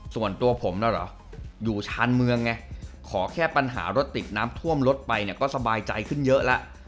ส่วนตัวผมนะคะอยู่ช่างเมืองไงก็ขอแค่ความปัญหารถัดน้ำทร่วมรถไปก็สบายใจขึ้นเยอะแล้ว